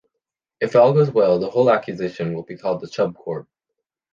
If all goes well, the whole acquisition will be called Chubb Corp.